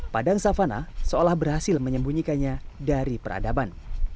padang savana seolah berhasil menyembunyikannya dari peradaban